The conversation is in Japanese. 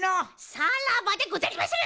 さらばでござりまする！